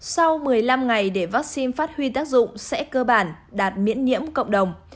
sau một mươi năm ngày để vaccine phát huy tác dụng sẽ cơ bản đạt miễn nhiễm cộng đồng